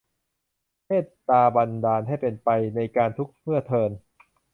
เมตตาบันดาลให้เป็นไป ในกาลทุกเมื่อเทอญ